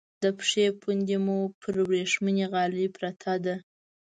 د پښې پونډۍ مو پر ورېښمینې غالی پرته ده.